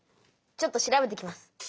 ちょっと調べてきます。